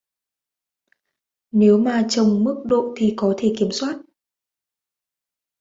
Nếu mà chồng mức độ thì có thể kiểm soát